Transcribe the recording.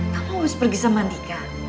kamu harus pergi sama andika